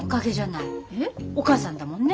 お母さんだもんね